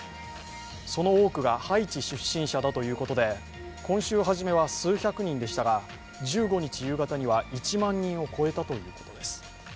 その多くがハイチ出身者だということで今週はじめは数百人でしたが１５日夕方には１万人を超えたということです。